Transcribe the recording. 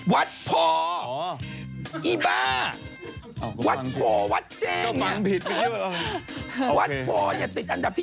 วัดพออีบ้าวัดพอวัดเจมส์เนี่ยวัดพออย่าติดอันดับที่๒๑